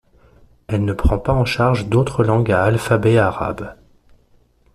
Elle ne prend pas en charge d'autres langues à alphabet arabe.